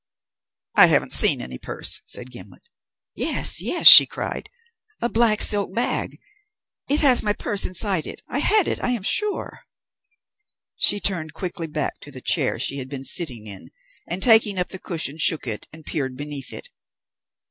"I haven't seen any purse," said Gimblet. "Yes, yes!" she cried. "A black silk bag! It has my purse inside it. I had it, I am sure." She turned quickly back to the chair she had been sitting in, and taking up the cushion, shook it and peered beneath it.